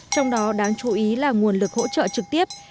trong đó đáng chú ý là nguồn lực hỗ trợ trực tiếp